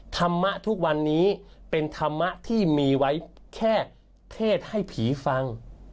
ธรรมะทุกวันนี้เป็นธรรมะที่มีไว้แค่เทศให้ผีฟัง